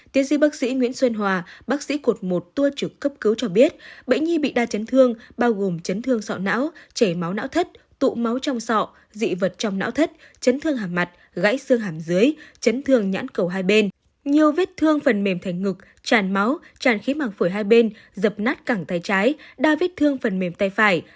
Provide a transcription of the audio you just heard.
tiến sĩ bác sĩ nguyễn xuân hòa bác sĩ cột một tua trực cấp cứu cho biết bệnh nhi bị đa chấn thương bao gồm chấn thương sọ não chảy máu não thất tụ máu trong sọ dị vật trong não thất chấn thương hàm mặt gãy xương hàm dưới chấn thương nhãn cầu hai bên nhiều vết thương phần mềm thành ngực tràn máu tràn khí mạng phổi hai bên dập nát cẳng tay trái đa vết thương phần mềm tay phải